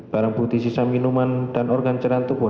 barang bukti sisa minuman organ cairan tubuh